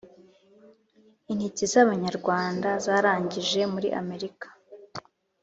Intiti z’ Abanyarwanda zarangije muri Amerika